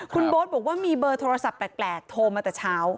คุณโบ๊ทบอกว่ามีเบอร์โทรศัพท์แปลกโทรมาแต่เช้า